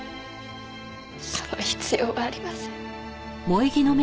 その必要はありません。